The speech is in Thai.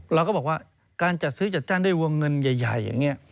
เราก็บอกว่าการจัดซื้อจัดจ้างด้วยวงเงินใหญ่อย่างนี้